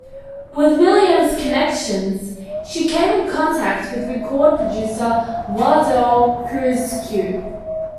With Williams' connections, she came in contact with record producer Wardell Quezergue.